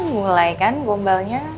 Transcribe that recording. mulai kan gombalnya